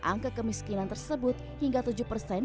angka kemiskinan tersebut hingga tujuh persen